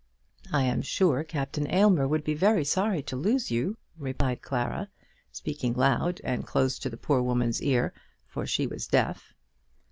"I am sure Captain Aylmer would be very sorry to lose you," replied Clara, speaking loud, and close to the poor woman's ear, for she was deaf.